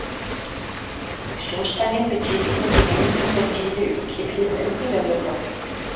Die Stoßstangen betätigen die hängenden Ventile über Kipphebel im Zylinderkopf.